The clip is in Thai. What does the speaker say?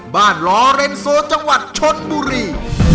ลอเรนโซจังหวัดชนบุรี